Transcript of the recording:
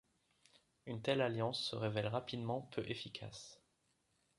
Une telle alliance se révèle rapidement peu efficace.